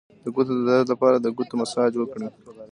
د ګوتو د درد لپاره د ګوتو مساج وکړئ